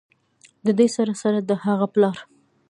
ددې سړي سره د هغه پلار